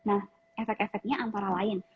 efek efeknya antara lain